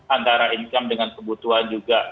antara income dengan kebutuhan juga